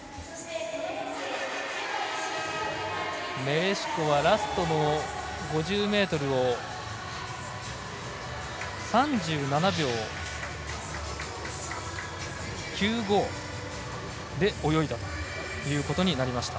メレシコはラストの５０ｍを３７秒９５で泳いだということになりました。